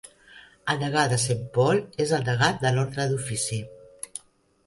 El degà de Saint Paul és el degà de l'Ordre "d'ofici".